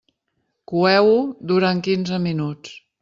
Coeu-ho durant quinze minuts.